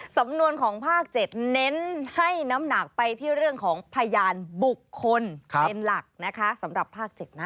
สำนวนของภาค๗เน้นให้น้ำหนักไปที่เรื่องของพยานบุคคลเป็นหลักนะคะสำหรับภาค๗นะ